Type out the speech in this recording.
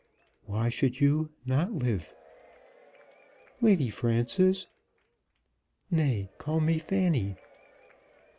"Why should you not live?" "Lady Frances " "Nay, call me Fanny."